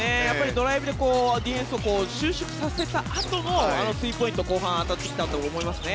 ドライブでディフェンスを収縮させたあとのスリーポイント後半、当たってきたと思いますね。